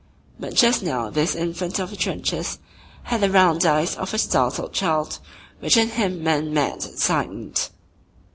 But just now this infant of the trenches had the round eyes of a startled child, which in him meant mad excitement.